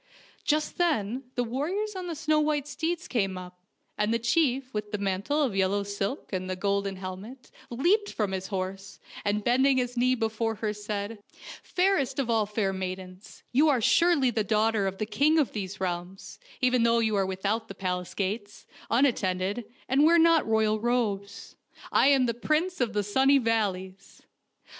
Just then the warriors on the snow white steeds came up, and the chief with the mantle of yellow silk and the golden helmet leaped from his horse, and bending his knee be fore her, said :" Fairest of all fair maidens, you are surely the daughter of the king of these realms, even though you are without the palace gates, unat tended, and wear not royal robes. I am the Prince of the Sunny Valleys."